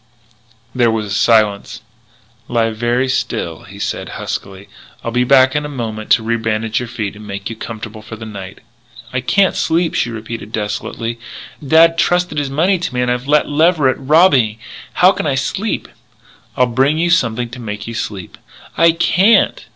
There was a silence. "Lie very still," he said huskily. "I'll be back in a moment to rebandage your feet and make you comfortable for the night." "I can't sleep," she repeated desolately. "Dad trusted his money to me and I've let Leverett rob me. How can I sleep?" "I'll bring you something to make you sleep." "I can't!"